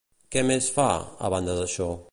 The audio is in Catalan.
Què més fa, a banda d'això?